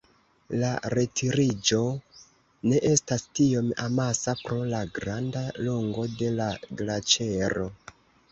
La retiriĝo ne estas tiom amasa pro la granda longo de la glaĉero.